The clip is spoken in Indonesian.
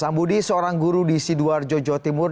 sambudi seorang guru di sidoarjo jawa timur